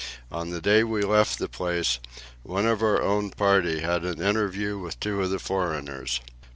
On the day we left the place, one of our own party had an interview with two of the foreigners.